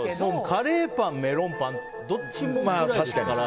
カレーパン、メロンパンどっちもくらいですから。